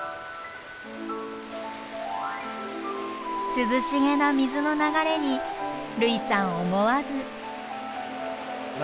涼しげな水の流れに類さん思わず。